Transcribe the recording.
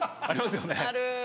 ありますよね。